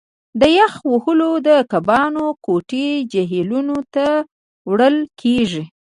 د یخ وهلو د کبانو کوټې جهیلونو ته وړل کیږي